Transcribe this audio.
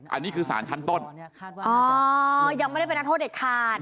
อันนี้คือสารชั้นต้นยังไม่ได้เป็นนักโทษเด็ดขาด